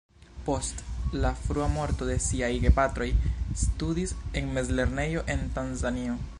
Post la frua morto de siaj gepatroj, studis en mezlernejo en Tanzanio.